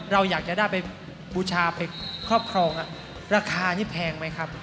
ราคานี้แพงไหมครับ